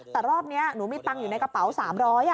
แต่รอบเนี้ยหนูมีตังค์อยู่ในกระเป๋าสามร้อยอ่ะ